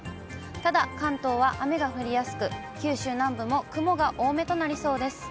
ただ、関東は雨が降りやすく、九州南部も雲が多めとなりそうです。